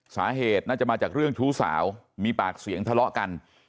สาเหตุน่าจะมาจากเรื่องชู้สาวมีปากเสียงทะเลาะกัน